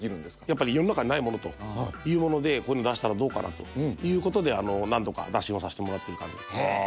やっぱり世の中にないものというものでこういうの出したらどうかなということで何度か打診をさせてもらってる感じですねはあ